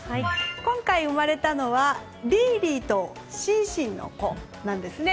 今回、生まれたのはリーリーとシンシンの子ですね。